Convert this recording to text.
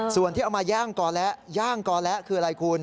ส่วนที่เอามาย่างกอและย่างกอและคืออะไรคุณ